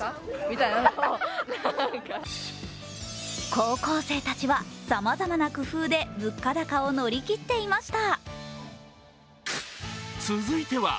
高校生たちはさまざまな工夫で物価高を乗り切っていました。